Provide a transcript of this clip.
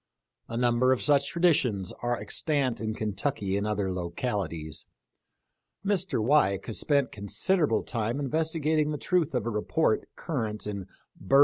A number of such traditions are extant in Kentucky and other localities. Mr. Weik has spent considerable time investigating the truth of a 6 THE LIFE OF LINCOLN.